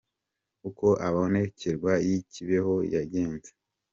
Uko amabonekerwa y’ i Kibeho yagenze